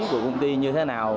của công ty như thế nào